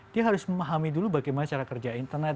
dia harus memahami dulu bagaimana cara kerja internet